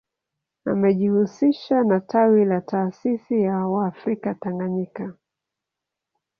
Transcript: Amejihusisha na tawi la taasisi ya waafrika Tanganyika